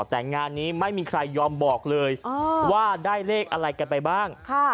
แต่งานนี้ไม่มีใครยอมบอกเลยว่าได้เลขอะไรกันไปบ้าง